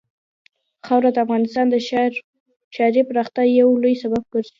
خاوره د افغانستان د ښاري پراختیا یو لوی سبب کېږي.